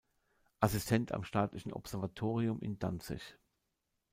Assistent am Staatlichen Observatorium in Danzig.